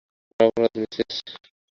আমার অপরাধ, মিসেস?